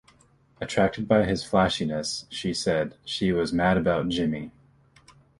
Attracted by his flashiness, she said, she was Mad about Jimmy.